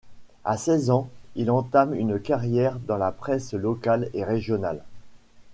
À seize ans, il entame une carrière dans la presse locale et régionale.